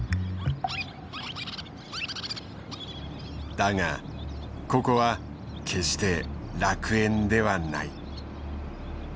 だがここは決して楽園ではない。